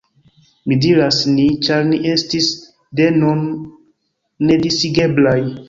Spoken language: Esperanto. Mi diras «ni», ĉar ni estis, de nun, nedisigeblaj.